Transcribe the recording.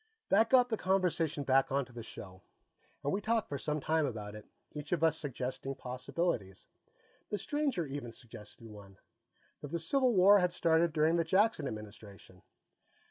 That got the conversation back onto the show, and we talked for some time about it, each of us suggesting possibilities. The stranger even suggested one that the Civil War had started during the Jackson Administration.